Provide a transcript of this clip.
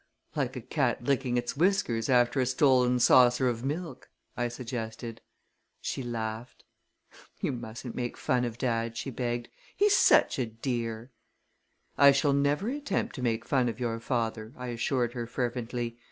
"Like a cat licking its whiskers after a stolen saucer of milk!" I suggested. She laughed. "You mustn't make fun of dad," she begged. "He's such a dear!" "I shall never attempt to make fun of your father," I assured her fervently.